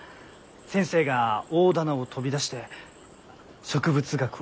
先生が大店を飛び出して植物学を目指されたこと。